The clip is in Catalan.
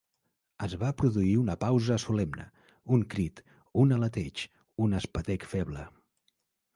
Es va produir una pausa solemne, un crit, un aleteig, un espetec feble.